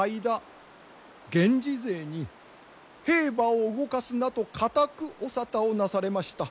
源氏勢に兵馬を動かすなと固くお沙汰をなされました。